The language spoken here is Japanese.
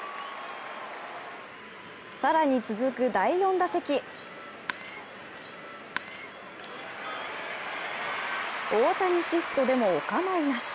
更に続く第４打席大谷シフトでもお構いなし。